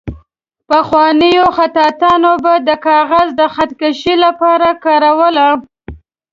پخوانیو خطاطانو به د کاغذ د خط کشۍ لپاره کاروله.